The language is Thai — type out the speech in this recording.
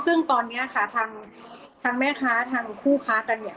ซึ่งตอนนี้ค่ะทางแม่ค้าทางคู่ค้ากันเนี่ย